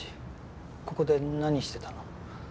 ここで何してたの？